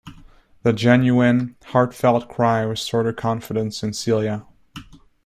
The genuine, heartfelt cry restored her confidence in Celia.